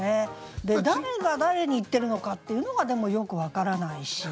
誰が誰に言ってるのかっていうのがでもよく分からないし。